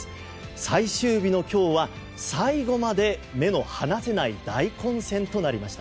最終日の今日は最後まで目の離せない大混戦となりました。